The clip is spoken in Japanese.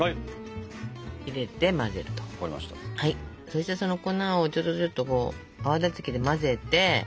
そしてその粉をちょちょちょっとこう泡立て器で混ぜて。